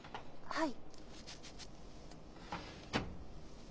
はい！